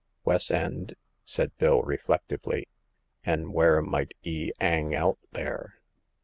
"Wes' end?" said Bill, reflectively. '*An' where might 'e 'ang out there